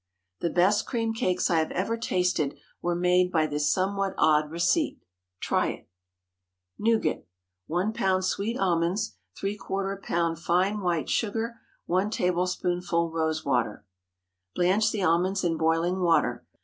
The best cream cakes I have ever tasted were made by this somewhat odd receipt. Try it. NOUGAT. 1 lb. sweet almonds. ¾ lb. fine white sugar. 1 tablespoonful rose water. Blanch the almonds in boiling water.